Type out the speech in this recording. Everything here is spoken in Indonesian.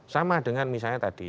sama dengan misalnya tadi